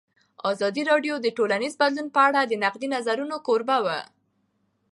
ازادي راډیو د ټولنیز بدلون په اړه د نقدي نظرونو کوربه وه.